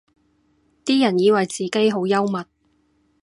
啲人以為自己好幽默